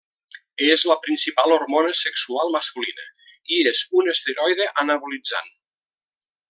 És la principal hormona sexual masculina, i és un esteroide anabolitzant.